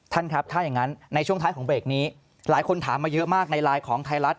ท่านครับถ้าอย่างนั้นในช่วงท้ายของเบรกนี้หลายคนถามมาเยอะมากในไลน์ของไทยรัฐ